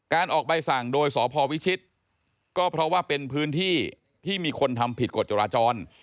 ออกใบสั่งโดยสพวิชิตก็เพราะว่าเป็นพื้นที่ที่มีคนทำผิดกฎจราจร